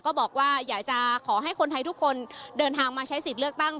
ก็บอกว่าอยากจะขอให้คนไทยทุกคนเดินทางมาใช้สิทธิ์เลือกตั้ง